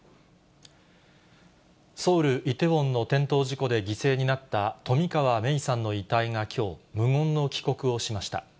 ソウル・イテウォンの転倒事故で犠牲になった、冨川芽生さんの遺体がきょう、無言の帰国をしました。